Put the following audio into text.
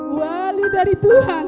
wali dari tuhan